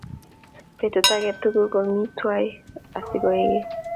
Petut ake tukuk kemi twai akoosikey.